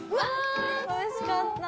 おいしかった。